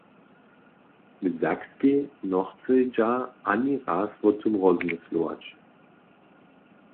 W Sakskej nochcedźa ani raz wo tym rozmyslować.